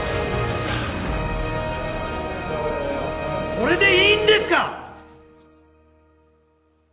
これでいいんですか？